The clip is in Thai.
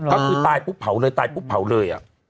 ก็คือตายปุ๊บเผาเลยตายปุ๊บเผาเลย